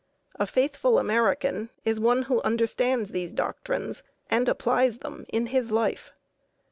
A faithful American is one who understands these doctrines and applies them in his life.